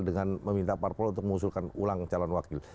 dengan meminta parpol untuk mengusulkan ulang calon wakil